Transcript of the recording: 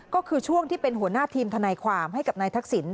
ก็คือช่วงที่เป็นหัวหน้าทีมทนายความให้กับนายทักษิณ